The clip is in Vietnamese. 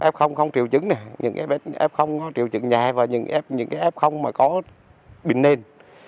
f không triệu chứng nè những f triệu chứng nhẹ và những f mà có bệnh nên